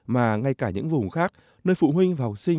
mà ngay cả những vùng khác nơi phụ huynh và học sinh